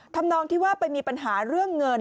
ทำนองที่ว่าไปมีปัญหาเรื่องเงิน